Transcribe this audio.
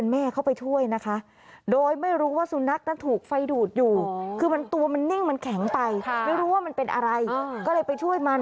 ไม่รู้ว่ามันเป็นอะไรก็เลยไปช่วยมัน